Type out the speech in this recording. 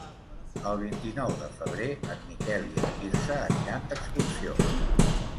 El vint-i-nou de febrer en Miquel i en Quirze aniran d'excursió.